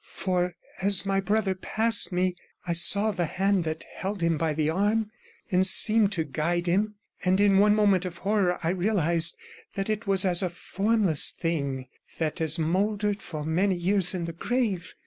For, as my brother passed me, I saw the hand that held him by the arm, and seemed to guide him, and in one moment of horror I realized that it was as a formless thing that has mouldered for many years in the grave.